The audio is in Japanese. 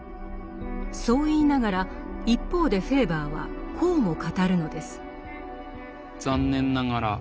そう言いながら一方でフェーバーはこうも語るのです。